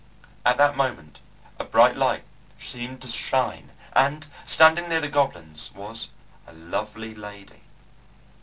At that moment a bright light seemed to shine, and standing near the goblins was a lovely lady.